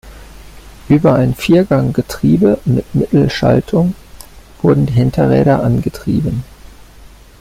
Über ein Viergang-Getriebe mit Mittelschaltung wurden die Hinterräder angetrieben.